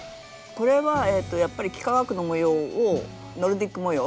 これはやっぱり幾何学の模様をノルディック模様。